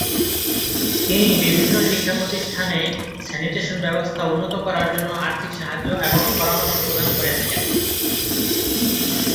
তিনি বিভিন্ন শিক্ষাপ্রতিষ্ঠান এ স্যানিটেশন ব্যবস্থা উন্নত করার জন্য আর্থিক সাহায্য এবং পরামর্শ প্রদান করে থাকেন।